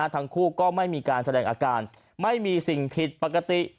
ทั้งคู่ก็ไม่มีการแสดงอาการไม่มีสิ่งผิดปกติ